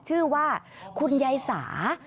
ชื่อว่าคุณยายสา